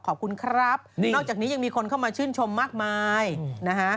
ขอบคุณครับนอกจากนี้ยังมีคนเข้ามาชื่นชมมากมายนะฮะ